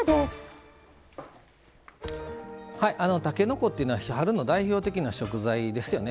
たけのこというのは春の代表的な食材ですよね